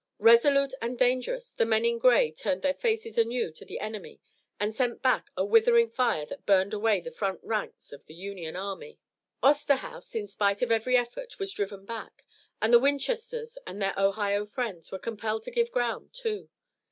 Resolute and dangerous, the men in gray turned their faces anew to the enemy and sent back a withering fire that burned away the front ranks of the Union army. Osterhaus, in spite of every effort, was driven back, and the Winchesters and their Ohio friends were compelled to give ground too.